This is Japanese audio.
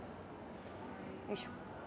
よいしょ。